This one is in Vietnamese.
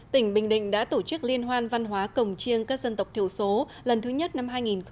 tỉnh bình định đã tổ chức liên hoan văn hóa cổng chiêng các dân tộc thiểu số lần thứ nhất năm hai nghìn một mươi chín